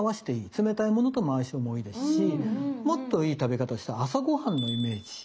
冷たいものとも相性もいいですしもっといい食べ方した朝ごはんのイメージ。